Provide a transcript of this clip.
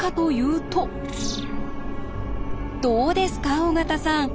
どうですか尾形さん。